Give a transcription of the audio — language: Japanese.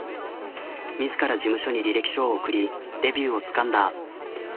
自ら事務所に履歴書を送りデビューをつかんだ。